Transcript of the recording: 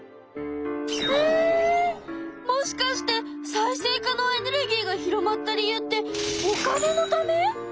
もしかして再生可能エネルギーが広まった理由ってお金のため？